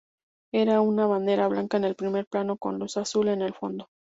Era una bandera blanca en el primer plano con luz azul en el fondo.